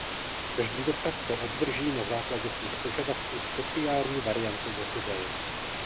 Každý dopravce obdrží na základě svých požadavků speciální variantu vozidel.